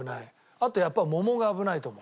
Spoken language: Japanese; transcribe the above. あとやっぱり桃が危ないと思う。